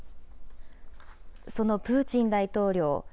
そのプーチン大統領。